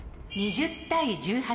２０対１８。